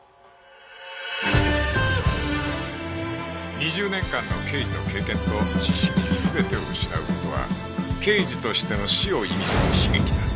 ２０年間の刑事の経験と知識全てを失う事は刑事としての死を意味する悲劇だ